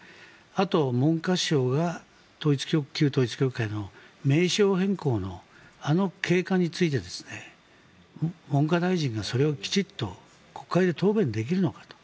あと、文科省が旧統一教会の名称変更のあの経過について文科大臣がそれをきちんと国会で答弁できるのかと。